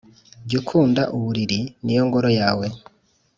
Jya ukunda uburiri ni yo ngoro yawe.